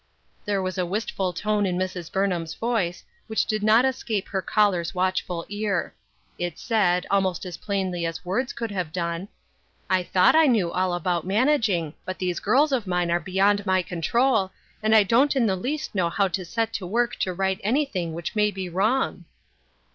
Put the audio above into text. " There was a wistful note in Mrs. Burnham's voice, which did not escape her caller's watchful ear ; it said, almost as plainly as words could have done, " I thought I knew all about managing, but these girls of mine are beyond my control, and I 42 UNWELCOME RESPONSIBILITIES. don't in the least know how to set to work to right anything which may be wrong."